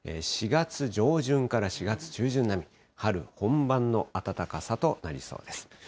４月上旬から４月中旬並み、春本番の暖かさとなりそうです。